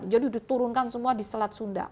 jadi diturunkan semua di selat sunda